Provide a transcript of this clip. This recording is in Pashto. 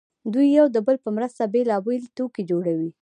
دوی یو د بل په مرسته بېلابېل توکي جوړوي